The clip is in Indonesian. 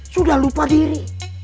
sudah lupa diri